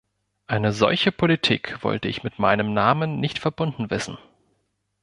Eine solche Politik wollte ich mit meinem Namen nicht verbunden wissen.